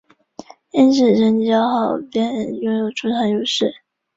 爆炸还会破坏附近之物体与生物个体。